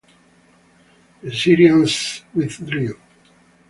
The Syrians withdrew.